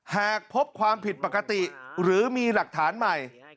หากพบความผิดปกติหรือมีหลักฐานใหม่